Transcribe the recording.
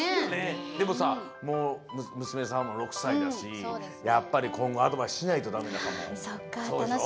でもさもうむすめさんも６さいだしやっぱりこんごアドバイスしないとダメなのかも。